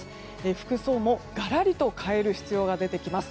服装もがらりと変える必要が出てきます。